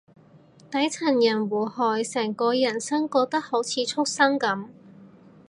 底層人互害，成個人生過得好似畜生噉